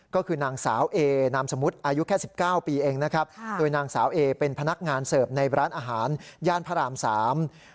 ก็คือนางสาวเอนามสมมุติอายุแค่สิบเก้าปีเองนะครับค่ะโดยนางสาวเอเป็นพนักงานเสิร์ฟในร้านอาหารย่านพระรามสาม